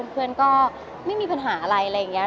เพื่อนก็ไม่มีปัญหาอะไรอะไรอย่างนี้